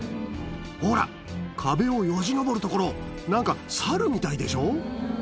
ほら、壁をよじ登るところ、なんかサルみたいでしょ。